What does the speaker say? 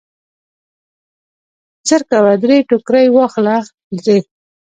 زرکوه درې ټوکرۍ واخله درې.